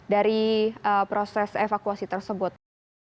dari proses evakuasi tersebut